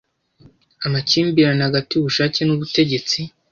amakimbirane hagati y’ubushake n’ubutegetsi